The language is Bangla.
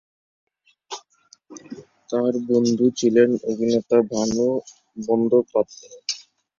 তার বন্ধু ছিলেন অভিনেতা ভানু বন্দ্যোপাধ্যায়।